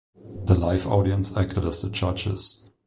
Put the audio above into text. The live audience acted as the judges.